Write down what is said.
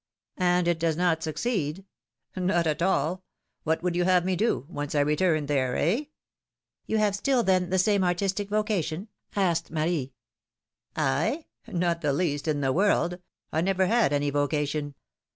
^^And it does not succeed ?" Not at all ! What would you have me do, once I returned there, eh ?" ^^You have still, then, the same artistic vocation?" asked Marie. philomI:ne"s ^mareiages. 135 I ? not the least in the world ! I never had any vocation